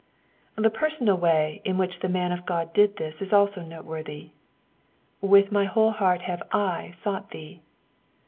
The personal way in which the man of God did this is also noteworthy : "With my whole heart have / sought thee.